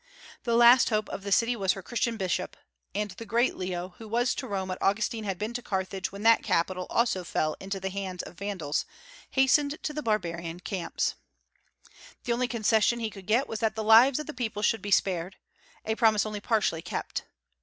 The last hope of the city was her Christian bishop; and the great Leo, who was to Rome what Augustine had been to Carthage when that capital also fell into the hands of Vandals, hastened to the barbarian's camp. The only concession he could get was that the lives of the people should be spared, a promise only partially kept.